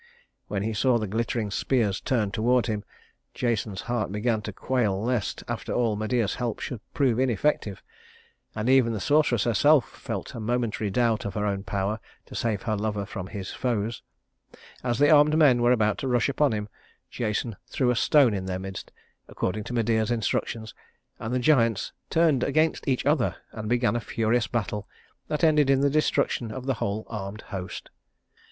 When he saw the glittering spears turned toward him, Jason's heart began to quail lest, after all, Medea's help should prove ineffective; and even the sorceress herself felt a momentary doubt of her own power to save her lover from his foes. As the armed men were about to rush upon him, Jason threw a stone in their midst, according to Medea's instructions, and the giants turned against each other and began a furious battle that ended in the destruction of the whole armed host.